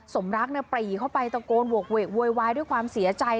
สมรักษณ์เนี่ยปลี่เข้าไปตะโกนววกเวกววยวายด้วยความเสียใจ